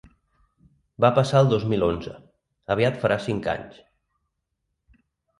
Va passar el dos mil onze: aviat farà cinc anys.